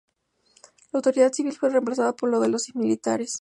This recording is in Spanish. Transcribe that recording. La autoridad civil fue remplazada por la de los militares.